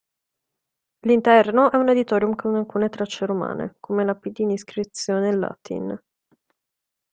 L'interno è un auditorium con alcune tracce romane, come lapidi in iscrizione latin.